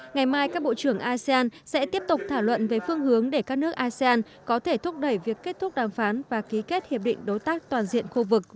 ngày mai các bộ trưởng asean sẽ tiếp tục thảo luận về phương hướng để các nước asean có thể thúc đẩy việc kết thúc đàm phán và ký kết hiệp định đối tác toàn diện khu vực